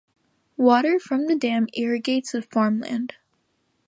Water from the dam irrigates of farmland.